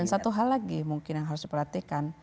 dan satu hal lagi mungkin yang harus diperhatikan